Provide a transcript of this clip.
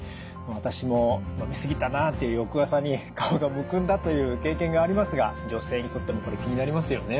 私も飲み過ぎたなあっていう翌朝に顔がむくんだという経験がありますが女性にとってもこれ気になりますよね。